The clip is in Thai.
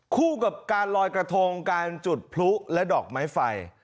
คู่กับการลอยกระทงการจุดพลุและดอกไม้ไฟ